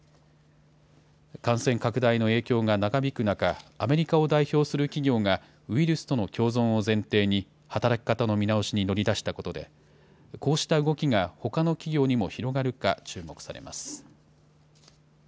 感染拡大の影響が長引く中、アメリカを代表する企業が、ウイルスとの共存を前提に働き方の見直しに乗り出したことで、こうした動きがほかの企業にも広がるか注目されます。